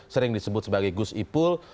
sering disebut sebagai gusipul